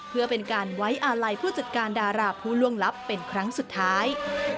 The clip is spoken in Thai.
เพื่อเป็นการไว้อาลัยผู้จัดการดาราผู้ล่วงลับเป็นครั้งสุดท้าย